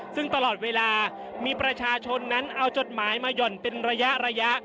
ซึ่งตลอดเวลามีประชาชนนั้นเอาจดหมายมาหย่อนเป็นระยะ